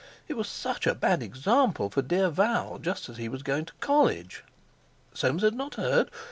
It was such a bad example for dear Val just as he was going to college. Soames had not heard?